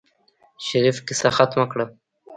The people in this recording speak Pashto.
شريف کيسه ختمه کړه.